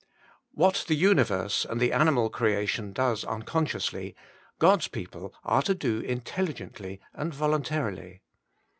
What the universe and the animal creation does uncon sciously, God's people are to do intelligently and voluntarily.